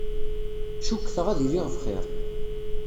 Cukkteɣ ad iliɣ bxir.